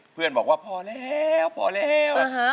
เพื่อนบอกว่าพอแล้วก็รับ๖๐๐๐๐บาทกลับบ้านได้